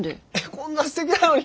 こんなすてきなのに。